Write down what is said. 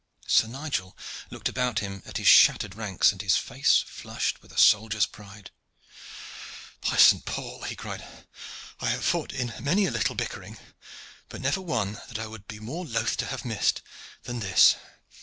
Sir Nigel looked about him at his shattered ranks, and his face flushed with a soldier's pride. "By St. Paul!" he cried, "I have fought in many a little bickering, but never one that I would be more loth to have missed than this.